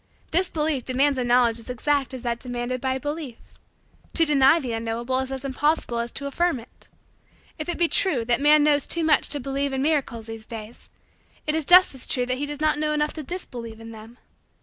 Disbelief demands a knowledge as exact as that demanded by belief. To deny the unknowable is as impossible as to affirm it. If it be true that man knows too much to believe in miracles these days, it is just as true that he does not know enough to disbelieve in them.